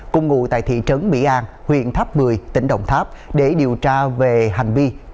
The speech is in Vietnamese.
cùng ngủ tại thị trấn mỹ an huyện tháp bười tỉnh đồng tháp để điều tra về hành vi